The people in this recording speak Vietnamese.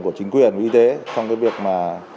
của chính quyền y tế trong cái việc mà